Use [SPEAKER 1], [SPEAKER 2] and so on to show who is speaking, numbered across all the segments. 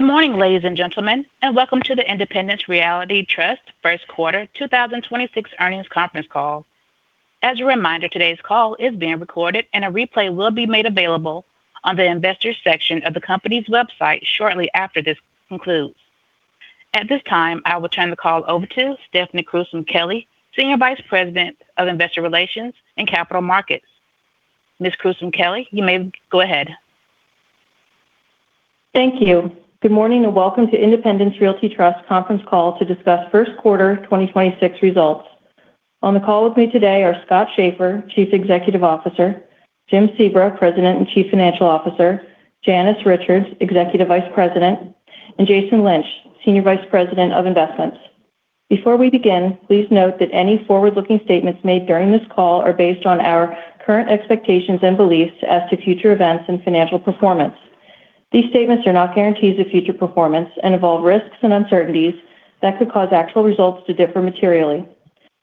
[SPEAKER 1] Good morning, ladies and gentlemen, and welcome to the Independence Realty Trust first quarter 2026 earnings conference call. As a reminder, today's call is being recorded, and a replay will be made available on the Investors section of the company's website shortly after this concludes. At this time, I will turn the call over to Stephanie Krewson-Kelly, Senior Vice President of Investor Relations and Capital Markets. Ms. Krewson-Kelly, you may go ahead.
[SPEAKER 2] Thank you. Good morning, and welcome to Independence Realty Trust conference call to discuss 1st quarter 2026 results. On the call with me today are Scott Schaeffer, Chief Executive Officer; Jim Sebra, President and Chief Financial Officer; Janice Richards, Executive Vice President; and Jason Lynch, Senior Vice President of Investments. Before we begin, please note that any forward-looking statements made during this call are based on our current expectations and beliefs as to future events and financial performance. These statements are not guarantees of future performance and involve risks and uncertainties that could cause actual results to differ materially.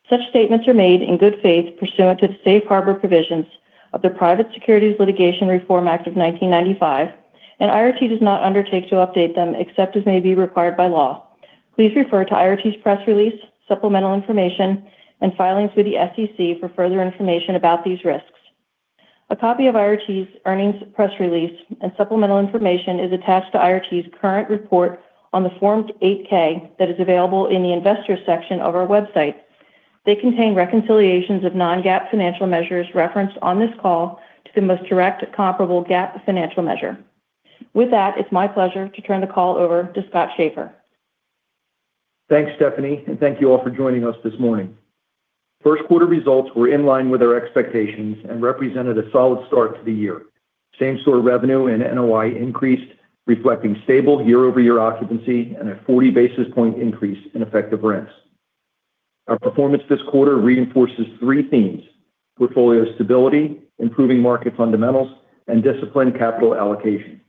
[SPEAKER 2] Such statements are made in good faith pursuant to the safe harbor provisions of the Private Securities Litigation Reform Act of 1995, and IRT does not undertake to update them except as may be required by law. Please refer to IRT's press release, supplemental information, and filings with the SEC for further information about these risks. A copy of IRT's earnings press release and supplemental information is attached to IRT's current report on the Form 8-K that is available in the Investors section of our website. They contain reconciliations of non-GAAP financial measures referenced on this call to the most direct comparable GAAP financial measure. With that, it's my pleasure to turn the call over to Scott Schaeffer.
[SPEAKER 3] Thanks, Stephanie, and thank you all for joining us this morning. First quarter results were in line with our expectations and represented a solid start to the year. same-store revenue and NOI increased, reflecting stable year-over-year occupancy and a 40 basis point increase in effective rents. Our performance this quarter reinforces three themes: portfolio stability, improving market fundamentals, and disciplined capital allocation.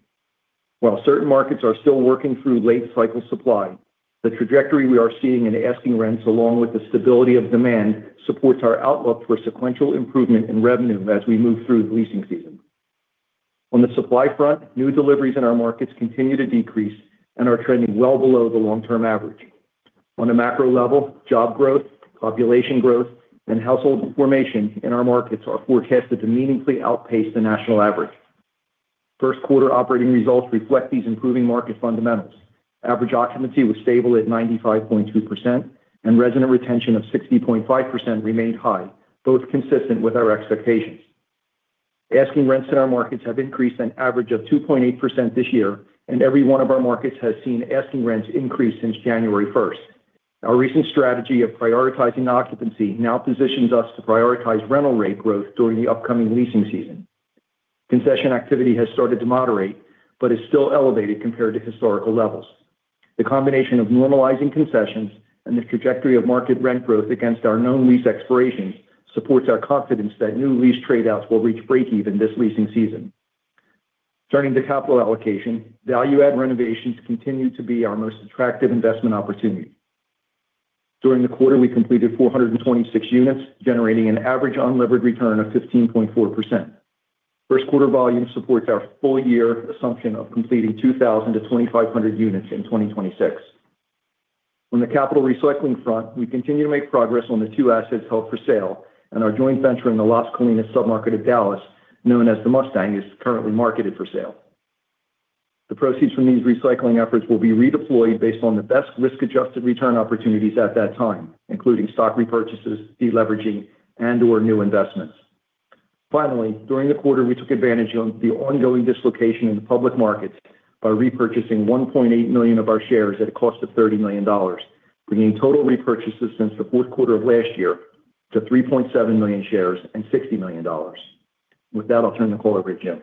[SPEAKER 3] While certain markets are still working through late-cycle supply, the trajectory we are seeing in asking rents along with the stability of demand supports our outlook for sequential improvement in revenue as we move through the leasing season. On the supply front, new deliveries in our markets continue to decrease and are trending well below the long-term average. On a macro level, job growth, population growth, and household formation in our markets are forecasted to meaningfully outpace the national average. First quarter operating results reflect these improving market fundamentals. Average occupancy was stable at 95.2%, and resident retention of 60.5% remained high, both consistent with our expectations. Asking rents in our markets have increased an average of 2.8% this year, and every one of our markets has seen asking rents increase since January first. Our recent strategy of prioritizing occupancy now positions us to prioritize rental rate growth during the upcoming leasing season. Concession activity has started to moderate but is still elevated compared to historical levels. The combination of normalizing concessions and the trajectory of market rent growth against our known lease expirations supports our confidence that new lease trade-outs will reach breakeven this leasing season. Turning to capital allocation, value-add renovations continue to be our most attractive investment opportunity. During the quarter, we completed 426 units, generating an average unlevered return of 15.4%. First quarter volume supports our full year assumption of completing 2,000-2,500 units in 2026. On the capital recycling front, we continue to make progress on the two assets held for sale and our joint venture in the Las Colinas submarket of Dallas, known as The Mustang, is currently marketed for sale. The proceeds from these recycling efforts will be redeployed based on the best risk-adjusted return opportunities at that time, including stock repurchases, deleveraging, and/or new investments. Finally, during the quarter, we took advantage of the ongoing dislocation in the public markets by repurchasing 1.8 million of our shares at a cost of $30 million, bringing total repurchases since the fourth quarter of last year to 3.7 million shares and $60 million. With that, I'll turn the call over to Jim.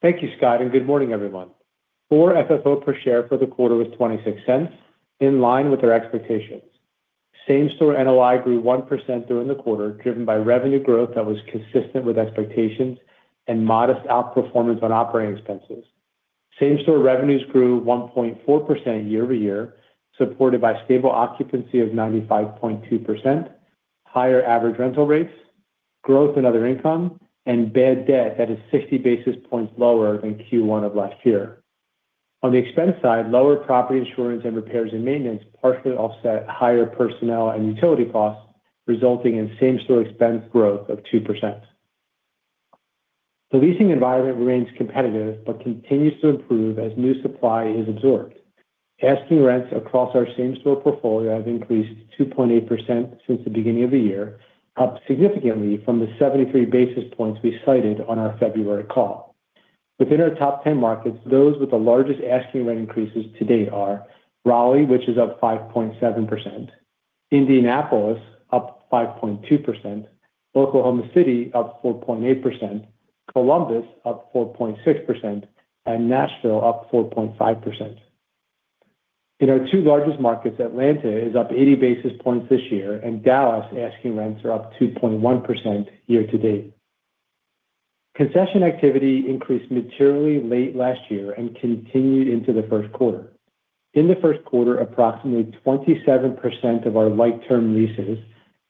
[SPEAKER 4] Thank you, Scott, and good morning, everyone. Core FFO per share for the quarter was $0.26, in line with our expectations. Same-store NOI grew 1% during the quarter, driven by revenue growth that was consistent with expectations and modest outperformance on operating expenses. Same-store revenues grew 1.4% year-over-year, supported by stable occupancy of 95.2%, higher average rental rates, growth in other income, and bad debt that is 60 basis points lower than Q1 of last year. On the expense side, lower property insurance and repairs and maintenance partially offset higher personnel and utility costs, resulting in same-store expense growth of 2%. The leasing environment remains competitive but continues to improve as new supply is absorbed. Asking rents across our same-store portfolio have increased 2.8% since the beginning of the year, up significantly from the 73 basis points we cited on our February call. Within our top 10 markets, those with the largest asking rent increases to date are Raleigh, which is up 5.7%, Indianapolis, up 5.2%, Oklahoma City, up 4.8%, Columbus, up 4.6%, and Nashville, up 4.5%. In our two largest markets, Atlanta is up 80 basis points this year, and Dallas asking rents are up 2.1% year to date. Concession activity increased materially late last year and continued into the first quarter. In the first quarter, approximately 27% of our like-term leases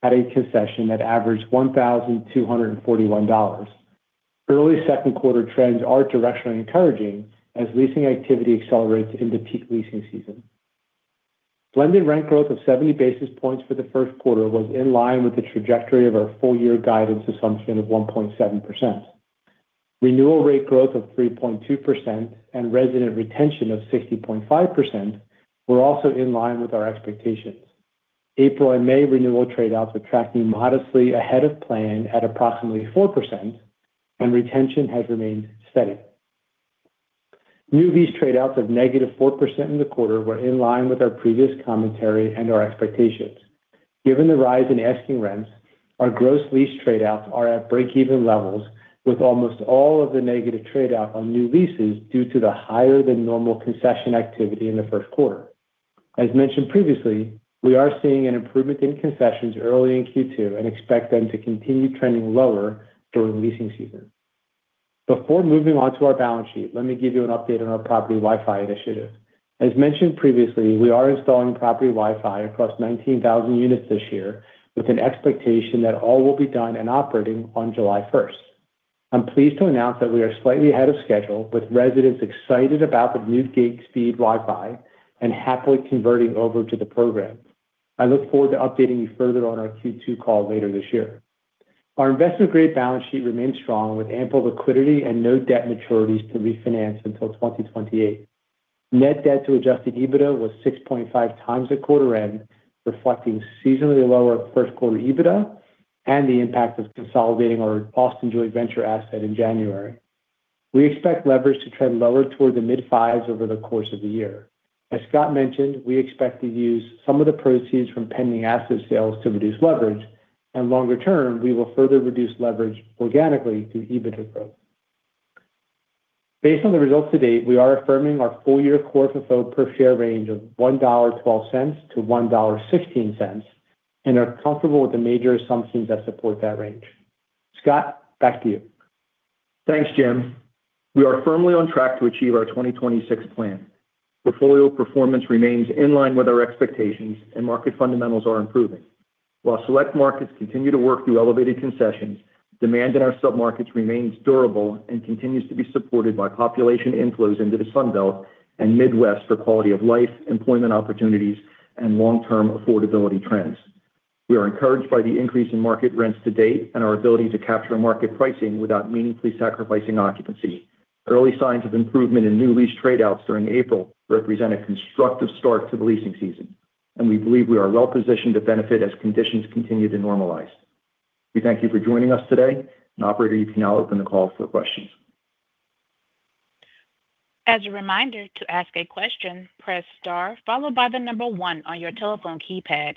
[SPEAKER 4] had a concession that averaged $1,241. Early second quarter trends are directionally encouraging as leasing activity accelerates into peak leasing season. Blended rent growth of 70 basis points for the first quarter was in line with the trajectory of our full year guidance assumption of 1.7%. Renewal rate growth of 3.2% and resident retention of 60.5% were also in line with our expectations. April and May renewal trade outs are tracking modestly ahead of plan at approximately 4%, and retention has remained steady. New lease trade outs of -4% in the quarter were in line with our previous commentary and our expectations. Given the rise in asking rents, our gross lease trade outs are at break-even levels with almost all of the negative trade out on new leases due to the higher than normal concession activity in the first quarter. As mentioned previously, we are seeing an improvement in concessions early in Q2 and expect them to continue trending lower during leasing season. Before moving on to our balance sheet, let me give you an update on our property Wi-Fi initiative. As mentioned previously, we are installing property Wi-Fi across 19,000 units this year with an expectation that all will be done and operating on July 1st. I'm pleased to announce that we are slightly ahead of schedule with residents excited about the new gig speed Wi-Fi and happily converting over to the program. I look forward to updating you further on our Q2 call later this year. Our investor grade balance sheet remains strong with ample liquidity and no debt maturities to refinance until 2028. Net debt to adjusted EBITDA was 6.5x at quarter end, reflecting seasonally lower first quarter EBITDA and the impact of consolidating our Boston joint venture asset in January. We expect leverage to trend lower toward the mid-5s over the course of the year. As Scott mentioned, we expect to use some of the proceeds from pending asset sales to reduce leverage, and longer term, we will further reduce leverage organically through EBITDA growth. Based on the results to date, we are affirming our full year Core FFO per share range of $1.12-$1.16 and are comfortable with the major assumptions that support that range. Scott, back to you.
[SPEAKER 3] Thanks, Jim. We are firmly on track to achieve our 2026 plan. Portfolio performance remains in line with our expectations and market fundamentals are improving. While select markets continue to work through elevated concessions, demand in our sub-markets remains durable and continues to be supported by population inflows into the Sun Belt and Midwest for quality of life, employment opportunities, and long-term affordability trends. We are encouraged by the increase in market rents to date and our ability to capture market pricing without meaningfully sacrificing occupancy. Early signs of improvement in new lease trade outs during April represent a constructive start to the leasing season, and we believe we are well positioned to benefit as conditions continue to normalize. We thank you for joining us today, and operator, you can now open the call for questions.
[SPEAKER 1] As a reminder, to ask a question, press star followed by the number one on your telephone keypad.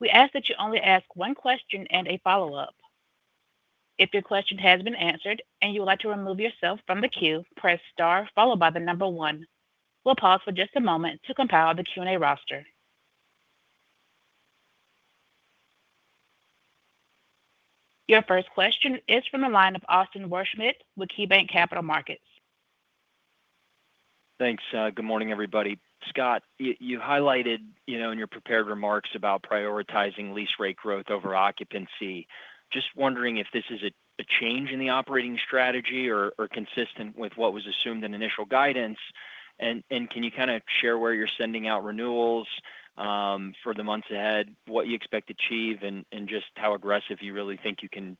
[SPEAKER 1] We ask that you only ask one question and a follow-up. If your question has been answered and you would like to remove yourself from the queue, press star followed by the number one. We'll pause for just a moment to compile the Q&A roster. Your first question is from the line of Austin Wurschmidt with KeyBanc Capital Markets.
[SPEAKER 5] Thanks. Good morning, everybody. Scott, you highlighted, you know, in your prepared remarks about prioritizing lease rate growth over occupancy. Just wondering if this is a change in the operating strategy or consistent with what was assumed in initial guidance. Can you kind of share where you're sending out renewals for the months ahead, what you expect to achieve and just how aggressive you really think you can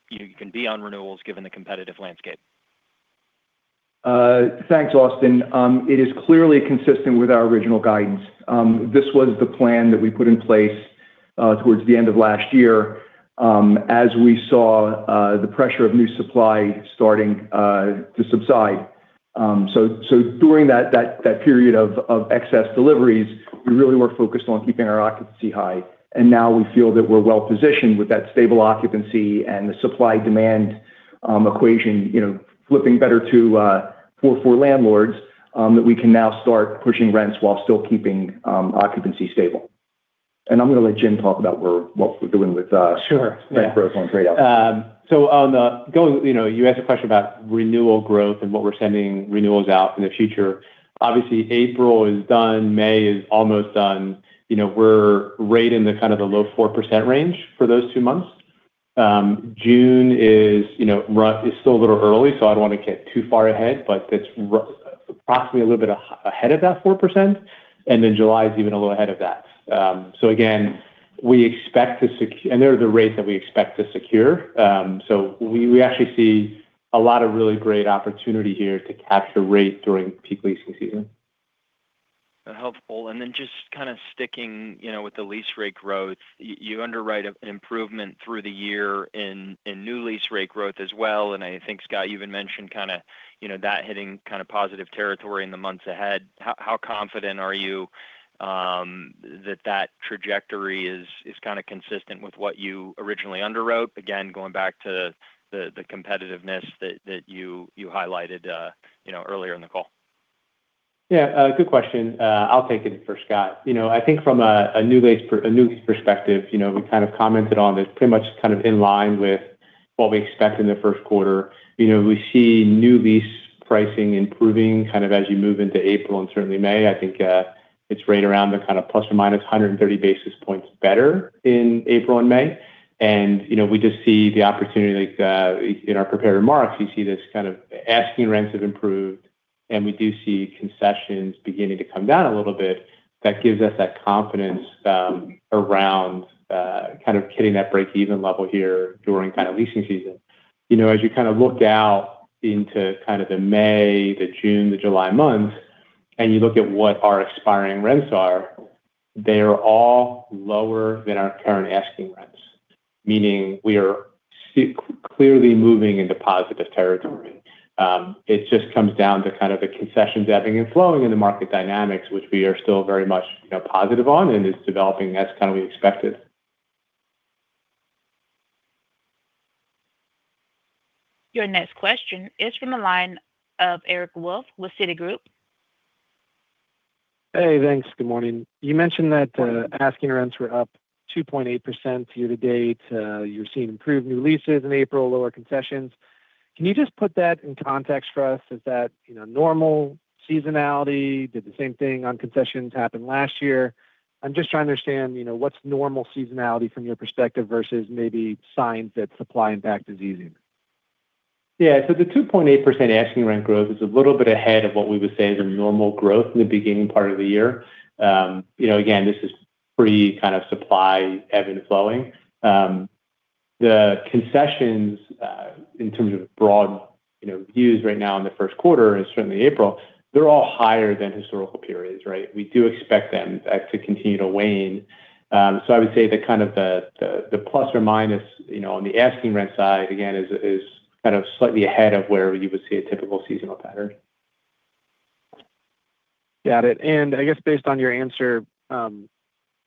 [SPEAKER 5] be on renewals given the competitive landscape?
[SPEAKER 3] Thanks, Austin. It is clearly consistent with our original guidance. This was the plan that we put in place towards the end of last year, as we saw the pressure of new supply starting to subside. During that period of excess deliveries, we really were focused on keeping our occupancy high, and now we feel that we're well-positioned with that stable occupancy and the supply-demand equation, you know, flipping better for landlords, that we can now start pushing rents while still keeping occupancy stable. I'm gonna let Jim talk about what we're doing with.
[SPEAKER 4] Sure, yeah.
[SPEAKER 3] rent growth on trade out.
[SPEAKER 4] On the going, you know, you asked a question about renewal growth and what we're sending renewals out in the future. Obviously, April is done. May is almost done. You know, we're right in the kind of the low 4% range for those two months. June is still a little early, so I don't want to get too far ahead, but it's approximately a little bit ahead of that 4%, and then July is even a little ahead of that. Again, they're the rates that we expect to secure. We actually see a lot of really great opportunity here to capture rate during peak leasing season.
[SPEAKER 5] Helpful. Then just kind of sticking with the lease rate growth. You underwrite an improvement through the year in new lease rate growth as well. I think, Scott, you even mentioned kind of that hitting kind of positive territory in the months ahead. How confident are you that that trajectory is kind of consistent with what you originally underwrote? Again, going back to the competitiveness that you highlighted earlier in the call.
[SPEAKER 4] Yeah. Good question. I'll take it for Scott. You know, I think from a new lease perspective, you know, we kind of commented on it's pretty much kind of in line with what we expect in the first quarter, you know, we see new lease pricing improving kind of as you move into April and certainly May. I think it's right around the kind of plus or minus 130 basis points better in April and May. You know, we just see the opportunity like in our prepared remarks, we see this kind of asking rents have improved, and we do see concessions beginning to come down a little bit. That gives us that confidence around kind of hitting that break-even level here during kind of leasing season. You know, as you kind of look out into kind of the May, the June, the July months, and you look at what our expiring rents are, they are all lower than our current asking rents. Meaning, we are clearly moving into positive territory. It just comes down to kind of the concessions ebbing and flowing in the market dynamics, which we are still very much, you know, positive on and is developing as kind of we expected.
[SPEAKER 1] Your next question is from the line of Eric Wolfe with Citigroup.
[SPEAKER 6] Hey, thanks. Good morning. You mentioned that asking rents were up 2.8% year-to-date. You're seeing improved new leases in April, lower concessions. Can you just put that in context for us? Is that, you know, normal seasonality? Did the same thing on concessions happen last year? I'm just trying to understand, you know, what's normal seasonality from your perspective versus maybe signs that supply impact is easing.
[SPEAKER 4] Yeah. The 2.8% asking rent growth is a little bit ahead of what we would say is our normal growth in the beginning part of the year. You know, again, this is pre kind of supply ebb and flowing. The concessions, in terms of broad, you know, views right now in the 1st quarter and certainly April, they're all higher than historical periods, right? We do expect them to continue to wane. I would say that kind of the plus or minus, you know, on the asking rent side, again, is kind of slightly ahead of where you would see a typical seasonal pattern.
[SPEAKER 6] Got it. I guess based on your answer to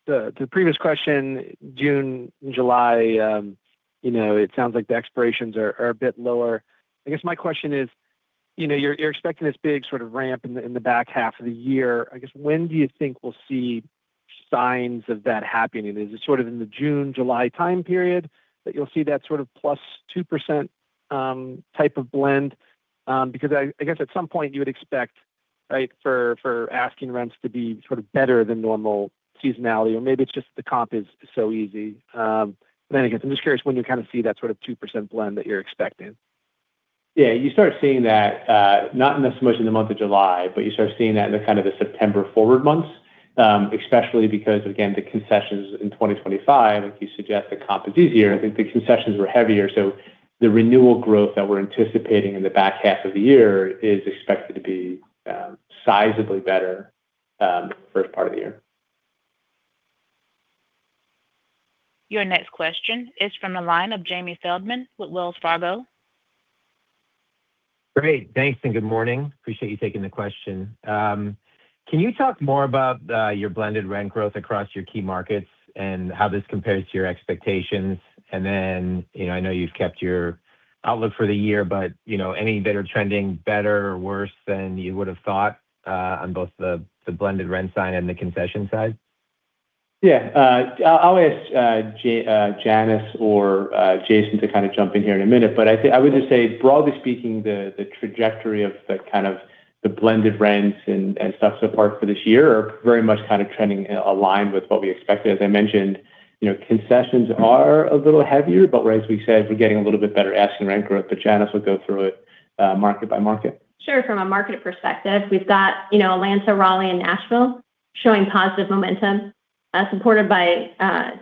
[SPEAKER 6] the previous question, June, July, you know, it sounds like the expirations are a bit lower. I guess my question is, you know, you're expecting this big sort of ramp in the back half of the year. I guess, when do you think we'll see signs of that happening? Is it sort of in the June, July time period that you'll see that sort of +2% type of blend? Because I guess at some point you would expect, right, for asking rents to be sort of better than normal seasonality, or maybe it's just the comp is so easy. I guess I'm just curious when you kind of see that sort of 2% blend that you're expecting.
[SPEAKER 4] Yeah. You start seeing that, not necessarily in the month of July, but you start seeing that in the kind of the September forward months. Especially because, again, the concessions in 2025, if you suggest the comp is easier, I think the concessions were heavier. The renewal growth that we're anticipating in the back half of the year is expected to be sizably better, first part of the year.
[SPEAKER 1] Your next question is from the line of Jamie Feldman with Wells Fargo.
[SPEAKER 7] Great. Thanks, and good morning. Appreciate you taking the question. Can you talk more about your blended rent growth across your key markets and how this compares to your expectations? You know, I know you've kept your outlook for the year, but, you know, any better trending better or worse than you would have thought on both the blended rent sign and the concession side?
[SPEAKER 4] Yeah. I'll ask Janice or Jason to kind of jump in here in a minute. I would just say, broadly speaking, the trajectory of the kind of the blended rents and stuff so far for this year are very much kind of trending aligned with what we expected. As I mentioned, you know, concessions are a little heavier, but as we said, we're getting a little bit better asking rent growth. Janice will go through it market by market.
[SPEAKER 8] Sure. From a market perspective, we've got, you know, Atlanta, Raleigh, and Nashville showing positive momentum, supported by,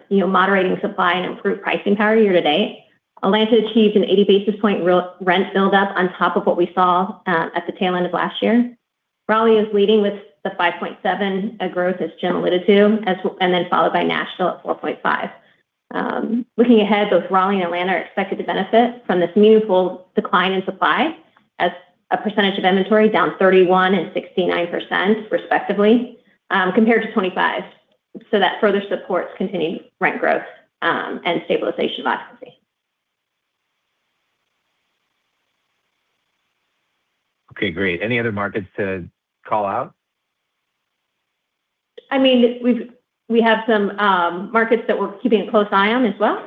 [SPEAKER 8] you know, moderating supply and improved pricing power year to date. Atlanta achieved an 80 basis point re-rent build up on top of what we saw at the tail end of last year. Raleigh is leading with the 5.7 growth as Jim alluded to, and then followed by Nashville at 4.5. Looking ahead, both Raleigh and Atlanta are expected to benefit from this meaningful decline in supply as a percentage of inventory down 31% and 69% respectively, compared to 25. That further supports continued rent growth and stabilization of occupancy.
[SPEAKER 7] Okay. Great. Any other markets to call out?
[SPEAKER 8] I mean, we have some markets that we're keeping a close eye on as well.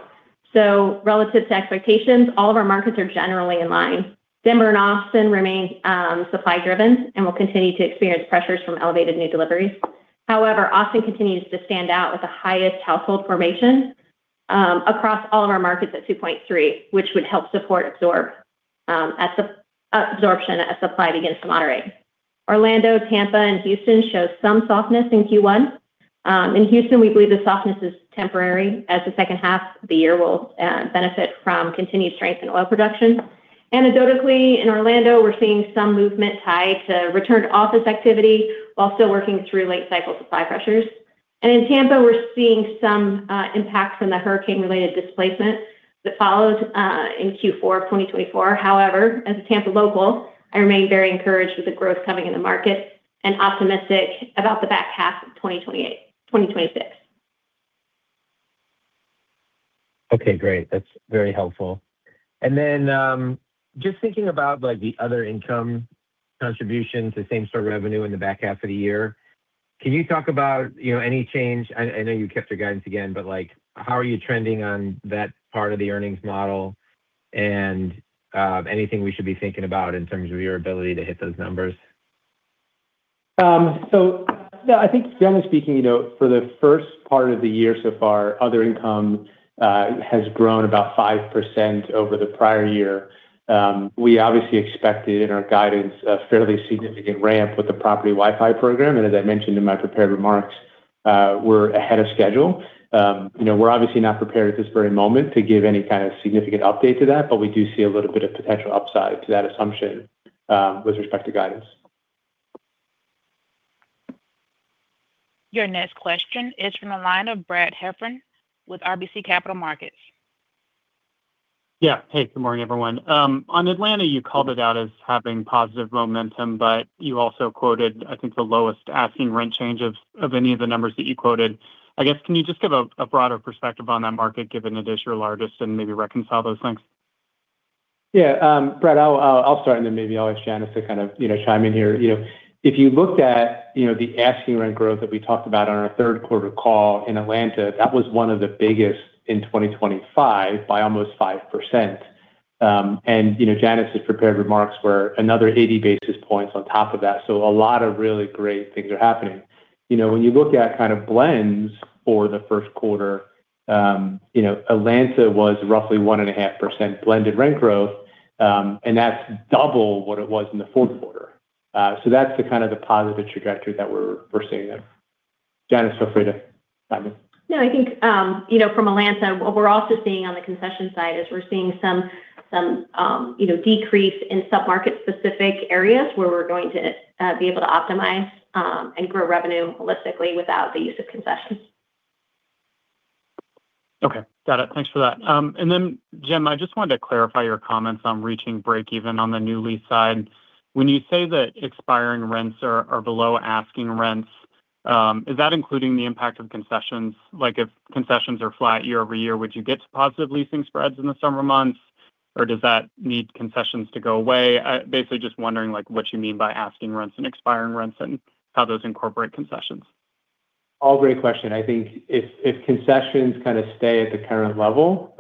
[SPEAKER 8] Relative to expectations, all of our markets are generally in line. Denver and Austin remain supply driven and will continue to experience pressures from elevated new deliveries. However, Austin continues to stand out with the highest household formation across all of our markets at 2.3, which would help support absorption as supply begins to moderate. Orlando, Tampa, and Houston show some softness in Q1. In Houston, we believe the softness is temporary as the second half of the year will benefit from continued strength in oil production. Anecdotally, in Orlando, we're seeing some movement tied to return to office activity while still working through late cycle supply pressures. In Tampa, we're seeing some impact from the hurricane related displacement that followed in Q4 2024. However, as a Tampa local, I remain very encouraged with the growth coming in the market and optimistic about the back half of 2026.
[SPEAKER 7] Okay, great. That's very helpful. Just thinking about like the other income contribution to same-store revenue in the back half of the year. Can you talk about, you know, I know you kept your guidance again, but, like, how are you trending on that part of the earnings model, and anything we should be thinking about in terms of your ability to hit those numbers?
[SPEAKER 4] No, I think generally speaking, you know, for the first part of the year so far, other income, has grown about 5% over the prior year. We obviously expected in our guidance a fairly significant ramp with the property Wi-Fi program, and as I mentioned in my prepared remarks, we're ahead of schedule. You know, we're obviously not prepared at this very moment to give any kind of significant update to that, but we do see a little bit of potential upside to that assumption, with respect to guidance.
[SPEAKER 1] Your next question is from the line of Brad Heffern with RBC Capital Markets.
[SPEAKER 9] Yeah. Hey, good morning, everyone. On Atlanta, you called it out as having positive momentum, you also quoted I think the lowest asking rent change of any of the numbers that you quoted. I guess, can you just give a broader perspective on that market, given that it's your largest, and maybe reconcile those things?
[SPEAKER 4] Brad, I'll start, and then maybe I'll ask Janice to kind of, you know, chime in here. You know, if you looked at, you know, the asking rent growth that we talked about on our third quarter call in Atlanta, that was one of the biggest in 2025 by almost 5%. You know, Janice's prepared remarks were another 80 basis points on top of that, so a lot of really great things are happening. You know, when you look at kind of blends for the first quarter, you know, Atlanta was roughly 1.5% blended rent growth, and that's double what it was in the fourth quarter. That's the kind of the positive trajectory that we're seeing there. Janice, feel free to chime in.
[SPEAKER 8] No, I think, you know, from Atlanta, what we're also seeing on the concession side is we're seeing some, you know, decrease in sub-market specific areas where we're going to be able to optimize, and grow revenue holistically without the use of concessions.
[SPEAKER 9] Okay. Got it. Thanks for that. Then Jim, I just wanted to clarify your comments on reaching break-even on the new lease side. When you say that expiring rents are below asking rents, is that including the impact of concessions? Like, if concessions are flat year-over-year, would you get to positive leasing spreads in the summer months, or does that need concessions to go away? Basically just wondering, like, what you mean by asking rents and expiring rents and how those incorporate concessions.
[SPEAKER 4] All great question. I think if concessions kind of stay at the current level,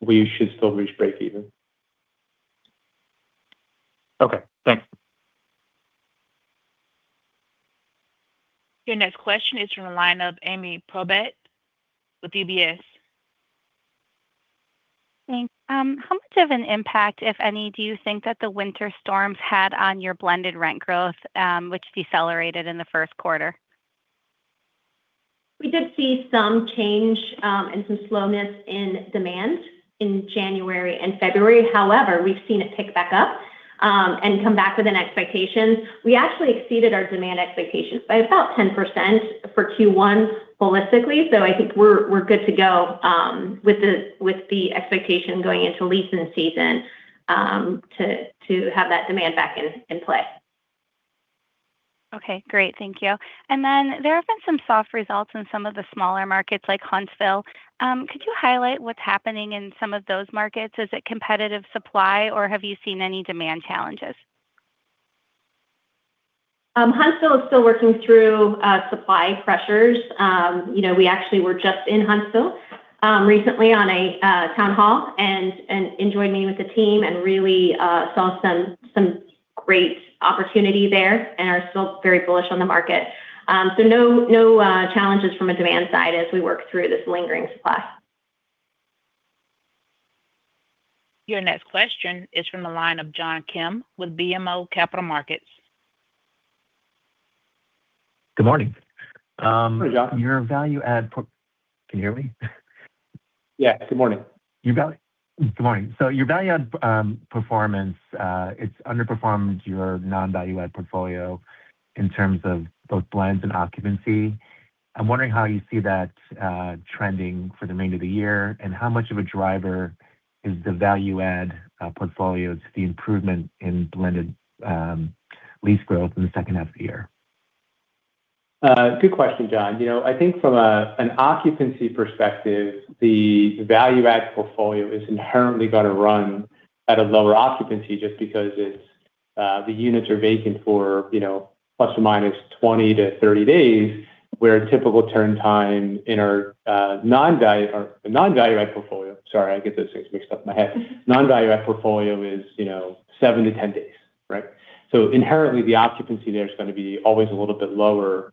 [SPEAKER 4] we should still reach break even.
[SPEAKER 9] Okay, thanks.
[SPEAKER 1] Your next question is from the line of Ami Probandt with UBS.
[SPEAKER 10] Thanks. How much of an impact, if any, do you think that the winter storms had on your blended rent growth, which decelerated in the first quarter?
[SPEAKER 8] We did see some change, and some slowness in demand in January and February. However, we've seen it pick back up, and come back with an expectation. We actually exceeded our demand expectations by about 10% for Q1 holistically. I think we're good to go with the expectation going into leasing season to have that demand back in play.
[SPEAKER 10] Okay. Great. Thank you. There have been some soft results in some of the smaller markets like Huntsville. Could you highlight what's happening in some of those markets? Is it competitive supply, or have you seen any demand challenges?
[SPEAKER 8] Huntsville is still working through supply pressures. You know, we actually were just in Huntsville recently on a town hall and in joining with the team and really saw some great opportunity there and are still very bullish on the market. No, no challenges from a demand side as we work through this lingering supply.
[SPEAKER 1] Your next question is from the line of John Kim with BMO Capital Markets.
[SPEAKER 11] Good morning.
[SPEAKER 4] Hey, John.
[SPEAKER 11] Can you hear me?
[SPEAKER 4] Yeah. Good morning.
[SPEAKER 11] Good morning. Your value-add performance, it's underperformed your non-value-add portfolio in terms of both blends and occupancy. I'm wondering how you see that trending for the remainder of the year, and how much of a driver is the value-add portfolio to the improvement in blended rent growth in the second half of the year?
[SPEAKER 4] Good question, John. You know, I think from an occupancy perspective, the value-add portfolio is inherently gonna run at a lower occupancy just because it's the units are vacant for, you know, plus or minus 20-30 days, where a typical turn time in our non-value-add portfolio. Sorry, I get those things mixed up in my head. Non-value-add portfolio is, you know, seven-10 days, right? Inherently, the occupancy there is gonna be always a little bit lower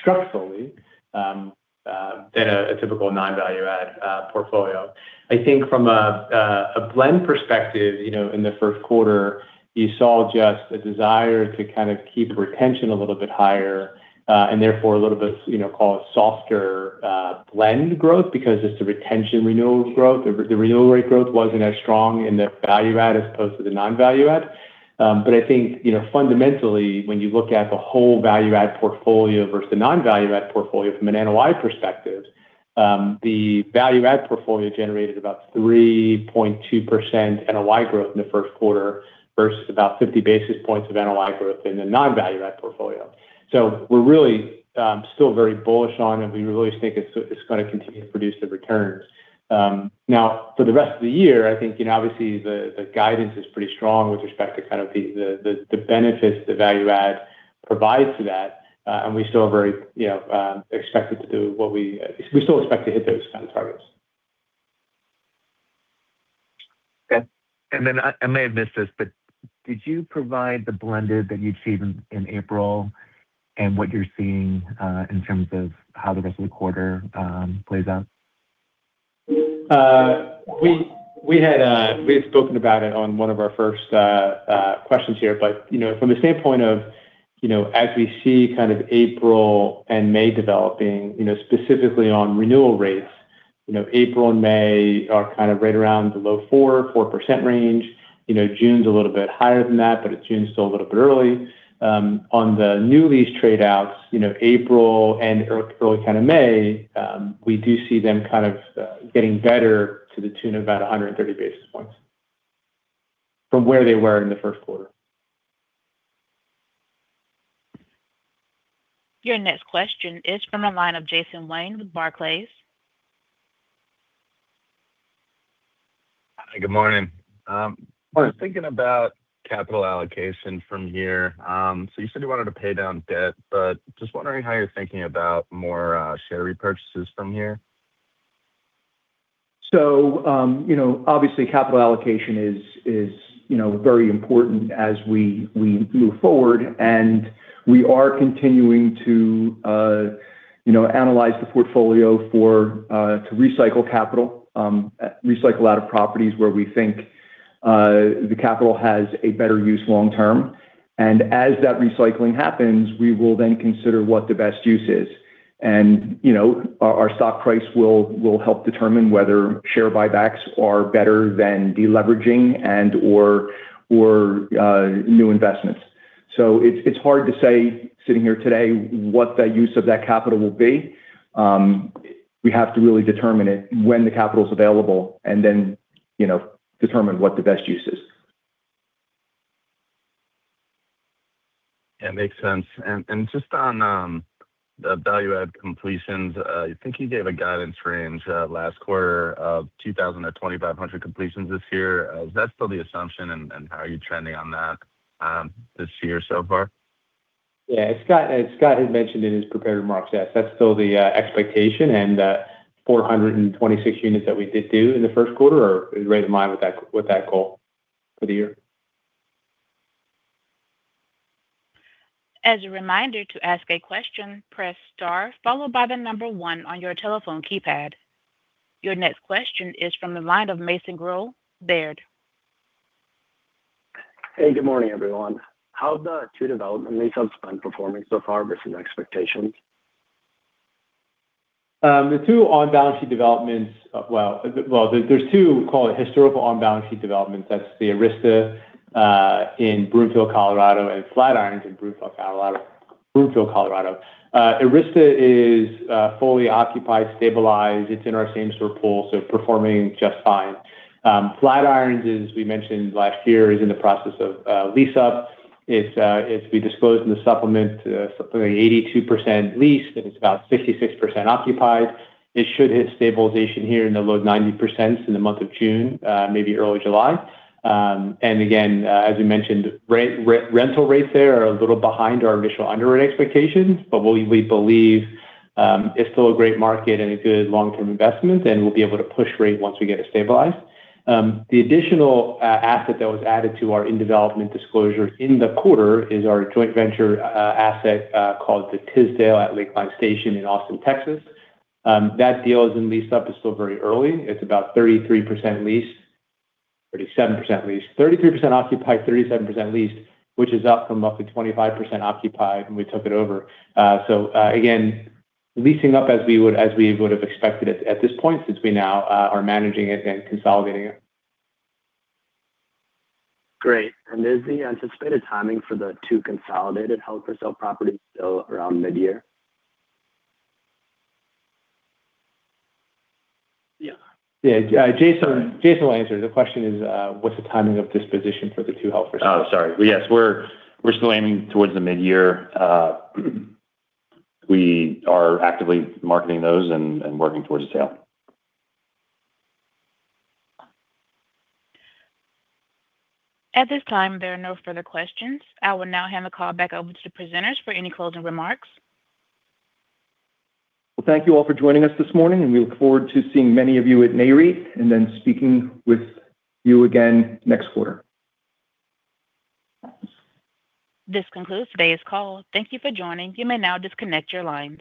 [SPEAKER 4] structurally than a typical non-value-add portfolio. I think from a blend perspective, you know, in the first quarter, you saw just a desire to kind of keep retention a little bit higher, and therefore a little bit, you know, call it softer blend growth because just the retention renewal growth. The renewal rate growth wasn't as strong in the value-add as opposed to the non-value-add. But I think, you know, fundamentally, when you look at the whole value-add portfolio versus the non-value-add portfolio from an NOI perspective, the value-add portfolio generated about 3.2% NOI growth in the first quarter versus about 50 basis points of NOI growth in the non-value-add portfolio. We're really, still very bullish on, and we really think it's gonna continue to produce the returns. Now for the rest of the year, I think, you know, obviously the guidance is pretty strong with respect to kind of the, the benefits the value-add provides to that, and we still are very, you know, expected to do what we still expect to hit those kind of targets.
[SPEAKER 11] Then I may have missed this, but did you provide the blended that you'd seen in April and what you're seeing in terms of how the rest of the quarter plays out?
[SPEAKER 4] We had spoken about it on one of our first questions here. You know, from the standpoint of, you know, as we see kind of April and May developing, you know, specifically on renewal rates. You know, April and May are kind of right around the low 4% range. You know, June's a little bit higher than that, but it's June, still a little bit early. On the new lease trade outs, you know, April and early kind of May, we do see them kind of getting better to the tune of about 130 basis points from where they were in the first quarter.
[SPEAKER 1] Your next question is from the line of Jason Wang with Barclays.
[SPEAKER 12] Hi, good morning.
[SPEAKER 4] Morning.
[SPEAKER 12] I was thinking about capital allocation from here. You said you wanted to pay down debt, but just wondering how you're thinking about more share repurchases from here?
[SPEAKER 4] You know, obviously capital allocation is, you know, very important as we move forward. We are continuing to, you know, analyze the portfolio for to recycle capital. Recycle a lot of properties where we think the capital has a better use long term. As that recycling happens, we will then consider what the best use is. You know, our stock price will help determine whether share buybacks are better than deleveraging and/or new investments. It's hard to say sitting here today what the use of that capital will be. We have to really determine it when the capital's available and then, you know, determine what the best use is.
[SPEAKER 12] Yeah, makes sense. Just on the value-add completions, I think you gave a guidance range last quarter of 2,000 or 2,500 completions this year. Is that still the assumption and how are you trending on that this year so far?
[SPEAKER 4] Yeah. As Scott Schaeffer had mentioned in his prepared remarks, yes, that's still the expectation. 426 units that we did do in the first quarter are right in line with that, with that goal for the year.
[SPEAKER 1] As a reminder, to ask a question, press star followed by the number one on your telephone keypad. Your next question is from the line of Mason Guell, Baird.
[SPEAKER 13] Hey, good morning, everyone. How's the two development lease-ups been performing so far versus expectations?
[SPEAKER 4] Well, well, there's two we call it historical on-balance sheet developments. That's the Arista in Broomfield, Colorado, and Flatirons in Broomfield, Colorado. Arista is fully occupied, stabilized. It's in our same-store pool, so performing just fine. Flatirons, as we mentioned last year, is in the process of lease-up. We disclosed in the supplement, something 82% leased and it's about 66% occupied. It should hit stabilization here in the low 90% in the month of June, maybe early July. And again, as we mentioned, rental rates there are a little behind our initial underwrite expectations, but we believe it's still a great market and a good long-term investment, and we'll be able to push rate once we get it stabilized. The additional asset that was added to our in-development disclosure in the quarter is our joint venture asset called The Tisdale at Lakeline Station in Austin, Texas. That deal is in lease-up. It's still very early. It's about 33% leased. 37% leased. 33% occupied, 37% leased, which is up from roughly 25% occupied when we took it over. Again, leasing up as we would, as we would have expected it at this point since we now are managing it and consolidating it.
[SPEAKER 13] Great. Is the anticipated timing for the two consolidated held-for-sale properties still around mid-year?
[SPEAKER 4] Yeah. Yeah, Jason.
[SPEAKER 13] All right.
[SPEAKER 4] Jason will answer. The question is, what's the timing of disposition for the two held-for-sales.
[SPEAKER 14] Oh, sorry. Yes, we're still aiming towards the mid-year. We are actively marketing those and working towards a sale.
[SPEAKER 1] At this time, there are no further questions. I will now hand the call back over to presenters for any closing remarks.
[SPEAKER 4] Well, thank you all for joining us this morning, and we look forward to seeing many of you at Nareit and then speaking with you again next quarter.
[SPEAKER 1] This concludes today's call. Thank you for joining. You may now disconnect your lines.